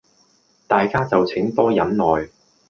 大家就請多忍耐